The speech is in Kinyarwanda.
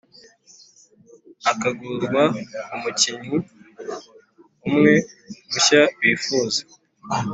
akagurwa umukinnyi umwe mushya bifuza